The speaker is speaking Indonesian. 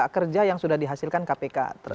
kerja yang sudah dihasilkan kpk